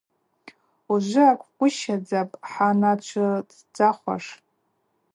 Ужвы акӏвгвыщазапӏ хӏаначвыдздзахуаш.